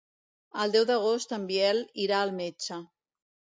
El deu d'agost en Biel irà al metge.